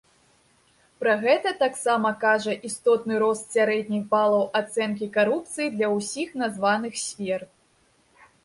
Пра гэта таксама кажа істотны рост сярэдніх балаў ацэнкі карупцыі для ўсіх названых сфер.